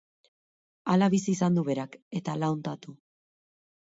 Hala bizi izan du berak, eta halaontatu.